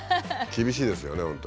厳しいですよね